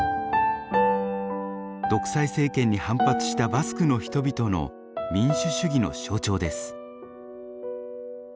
独裁政権に反発したバスクの人々の民主主義の象徴です。